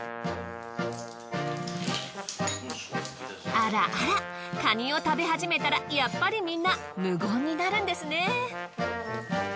あらあらカニを食べ始めたらやっぱりみんな無言になるんですね。